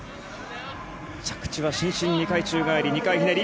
着地は伸身２回宙返り２回ひねり。